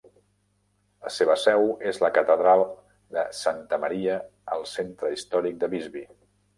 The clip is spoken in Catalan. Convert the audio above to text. La seva seu és la catedral de Sankta Maria al centre històric de Visby.